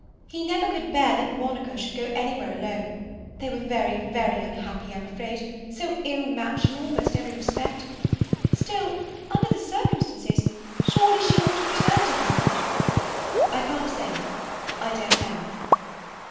He never could bear that Monica should go anywhere alone. They were very, very unhappy, I'm afraid—so ill matched in almost every respect. Still, under the circumstances—surely she ought to return to him?" "I can't say. I don't know."